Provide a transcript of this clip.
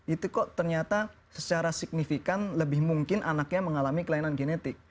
itu kok ternyata secara signifikan lebih mungkin anaknya mengalami kelainan genetik